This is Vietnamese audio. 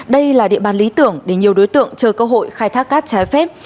đây là địa bàn lý tưởng để nhiều đối tượng chờ cơ hội khai thác cát trái phép